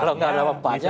kalau nggak ada manfaatnya